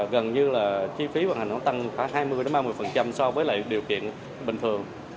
gần như là chi phí vận hành nó tăng khoảng hai mươi ba mươi so với lại điều kiện bình thường